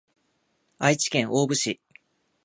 愛知県大府市